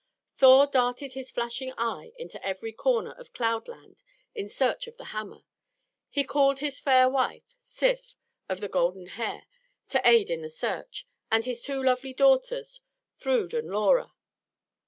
Thor darted his flashing eye into every corner of Cloud Land in search of the hammer. He called his fair wife, Sif of the golden hair, to aid in the search, and his two lovely daughters, Thrude and Lora.